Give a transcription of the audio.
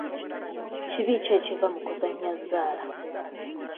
Kibi ki ekiva mu kuzannya zzaala?